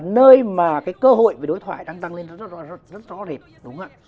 nơi mà cái cơ hội về đối thoại đang tăng lên rất rõ rệt